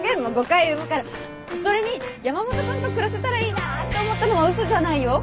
それに山本君と暮らせたらいいなって思ったのは嘘じゃないよ。